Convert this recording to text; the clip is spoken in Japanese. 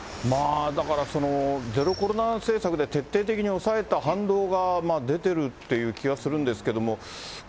だからゼロコロナ政策で徹底的に抑えた反動が、出てるっていう気はするんですけども。